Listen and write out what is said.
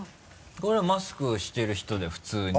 これはマスクしてる人だよ普通に。